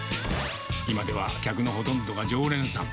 今では客のほとんどが常連さん。